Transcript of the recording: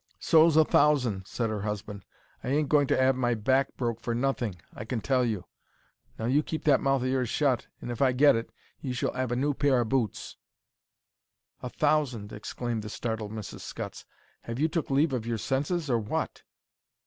"So's a thousand," said her husband. "I ain't going to 'ave my back broke for nothing, I can tell you. Now, you keep that mouth o' yours shut, and if I get it, you shall 'ave a new pair o' boots." "A thousand!" exclaimed the startled Mrs. Scutts. "Have you took leave of your senses, or what?"